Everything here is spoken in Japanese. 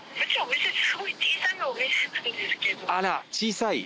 あら小さい？